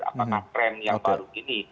apakah tren yang baru ini